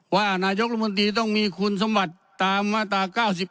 ว่านายกรมนตรีต้องมีคุณสมบัติตามมาตรา๙๑